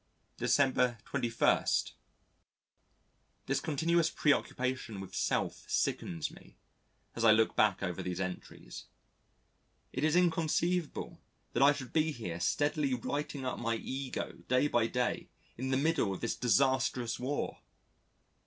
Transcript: December 21. This continuous preoccupation with self sickens me as I look back over these entries. It is inconceivable that I should be here steadily writing up my ego day by day in the middle of this disastrous war....